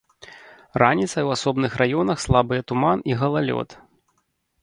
Раніцай у асобных раёнах слабыя туман і галалёд.